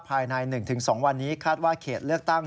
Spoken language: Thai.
ภายใน๑๒วันนี้คาดว่าเขตเลือกตั้ง